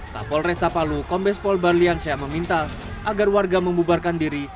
kapol restapalu kombes pol barliansyah meminta agar warga membubarkan diri